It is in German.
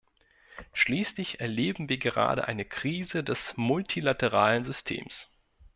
Schließlich erleben wir gerade eine Krise des multilateralen Systems.